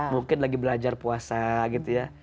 mungkin lagi belajar puasa gitu ya